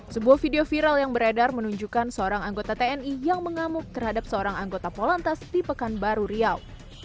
sebuah video viral yang beredar menunjukkan seorang anggota tni yang mengamuk terhadap seorang anggota polantas di pekanbaru riau